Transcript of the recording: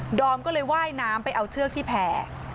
ดอมก็เลยว่ายน้ำไปเอาเชือกที่แผ่